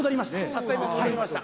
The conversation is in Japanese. たった今戻りました。